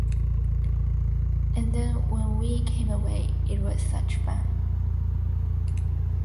And then when we came away it was such fun!